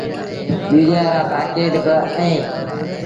ٻيٚڙيآن رآ پآڪيٽ با اهيݩ۔